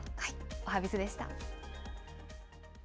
おはＢｉｚでした。